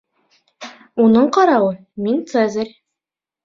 Уның ҡарауы, мин Цезарь.